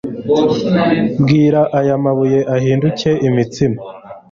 bwira aya mabuye ahinduke imitsima.’